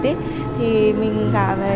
thì mình cảm thấy điều đấy là một bước tiến mới